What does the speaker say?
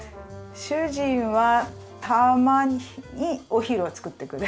主人はたまにお昼を作ってくれる。